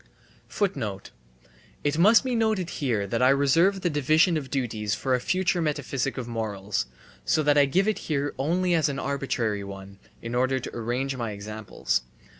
It must be noted here that I reserve the division of duties for a future metaphysic of morals; so that I give it here only as an arbitrary one (in order to arrange my examples).